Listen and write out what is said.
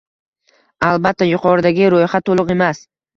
Albatta, yuqoridagi ro’yxat to’liq emas